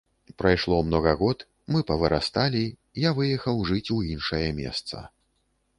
Прайшло многа год, мы павырасталі, я выехаў жыць у іншае месца.